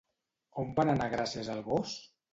On van anar gràcies al gos?